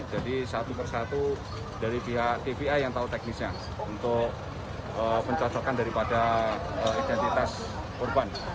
jadi satu persatu dari pihak tbi yang tahu teknisnya untuk mencocokkan daripada identitas korban